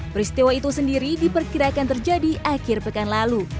peristiwa itu sendiri diperkirakan terjadi akhir pekan lalu